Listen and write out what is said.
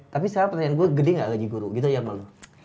tapi sekarang pertanyaan gue gede gak gaji guru gitu aja sama lo